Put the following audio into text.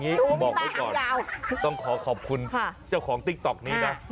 บอกไว้ก่อนต้องขอขอบคุณเจ้าของติ๊กต๊อกนี้นะ